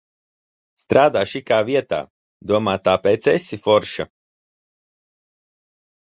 Strādā šikā vietā, domā, tāpēc esi forša.